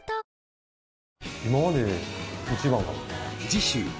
次週！